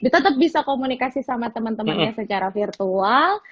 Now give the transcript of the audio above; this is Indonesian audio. tetap bisa komunikasi sama teman temannya secara virtual